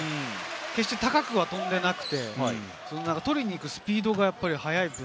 決して高くは飛んでいなくて、取りに行くスピードがやはり速い。